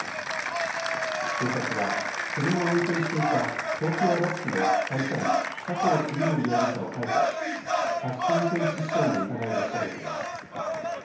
警察は車を運転していた東京足立区の会社員、佐藤次守容疑者を逮捕し過失運転致死傷の疑いで調べています。